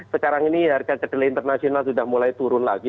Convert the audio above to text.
sekarang ini harga kedele internasional sudah mulai turun lagi